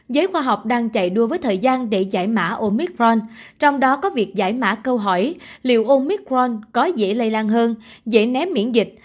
giới khoa học đang chạy đua với thời gian để giải mã omicron trong đó có việc giải mã câu hỏi liệu ômicront có dễ lây lan hơn dễ ném miễn dịch